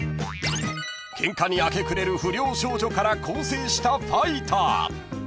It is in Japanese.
［ケンカに明け暮れる不良少女から更正したファイター］